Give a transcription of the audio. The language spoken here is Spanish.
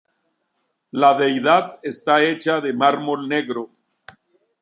La deidad está hecha de mármol negro.